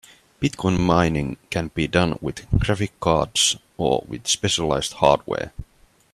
Bitcoin mining can be done with graphic cards or with specialized hardware.